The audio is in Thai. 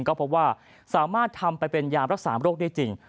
ก็พบว่าสามารถทำไปเป็นยามรักษาโรคได้จริง